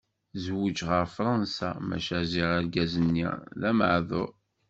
Tezweǧ ɣer Fransa, maca ziɣ argaz-nni d ameɛḍur.